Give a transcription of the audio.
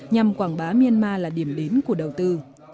nhằm quảng bá myanmar là điểm đến của đầu tư